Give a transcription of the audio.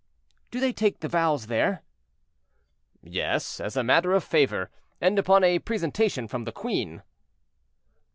"Do they take the vows there?" "Yes, as a matter of favor, and upon a presentation from the queen."